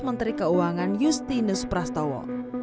menteri keuangan justinus prastowo